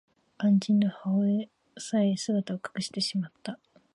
肝心の母親さえ姿を隠してしまった